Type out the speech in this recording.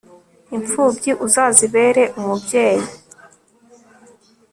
imfubyi, uzazibere umubyeyi